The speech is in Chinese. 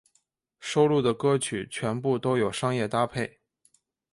收录的歌曲全部都有商业搭配。